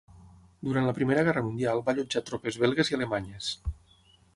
Durant la Primera Guerra Mundial va allotjar tropes belgues i alemanyes.